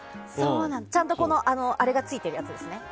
ちゃんとあれがついてるやつですね。